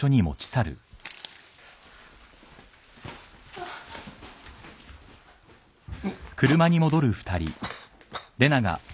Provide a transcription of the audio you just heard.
あっ。